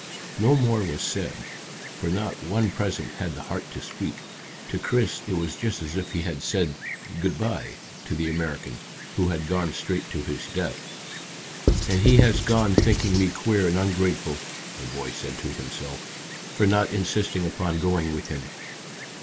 No more was said, for not one present had the heart to speak. To Chris it was just as if he had said "Good bye" to the American, who had gone straight to his death. "And he has gone thinking me queer and ungrateful," the boy said to himself, "for not insisting upon going with him."